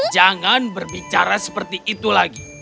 jangan berbicara seperti itu lagi